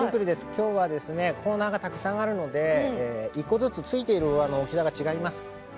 きょうはコーナーがたくさんあるので１個ずつついている大きさが違います。